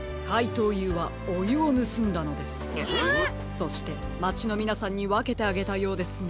そしてまちのみなさんにわけてあげたようですね。